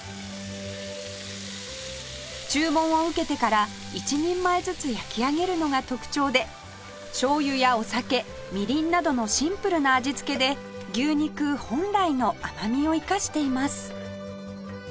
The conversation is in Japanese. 注文を受けてから１人前ずつ焼き上げるのが特徴でしょう油やお酒みりんなどのシンプルな味付けで牛肉本来の甘みを生かしています